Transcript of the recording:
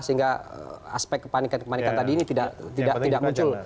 sehingga aspek kepanikan kepanikan tadi ini tidak muncul